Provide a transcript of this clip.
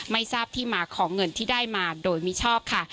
ไม่ทราบที่มาของเงินที่ได้มาโดยมิชอบค่ะ